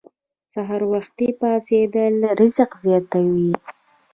سحر وختي پاڅیدل رزق زیاتوي.